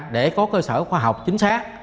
để có cơ sở khoa học chính xác